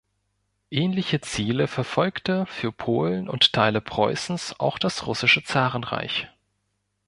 Ähnliche Ziele verfolgte für Polen und Teile Preußens auch das russische Zarenreich.